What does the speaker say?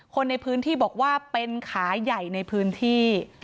คนในพื้นที่บอกว่าเป็นขาใหญ่ในพื้นที่